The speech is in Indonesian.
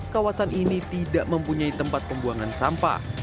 kawasan ini tidak mempunyai tempat pembuangan sampah